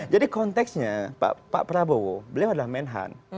jadi konteksnya pak prabowo beliau adalah menhan